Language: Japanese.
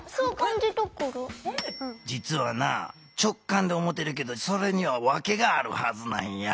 じつはな直感って思ってるけどそれにはわけがあるはずなんや。